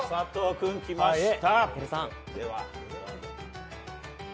君来ました。